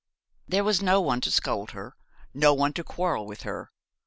There was no one to scold her, no one to quarrel with her.